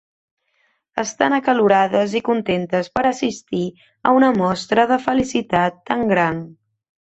Estan acalorades i contentes per assistir a una mostra de felicitat tan gran.